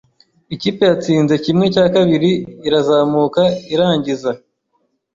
Ikipe yatsinze kimwe cya kabiri irazamuka irangiza